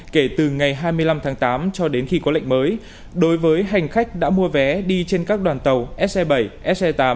kể từ ngày hai mươi năm tháng tám cho đến khi có lệnh mới đối với hành khách đã mua vé đi trên các đoàn tàu se bảy se tám